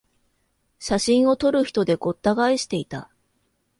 写真を撮る人でごった返していた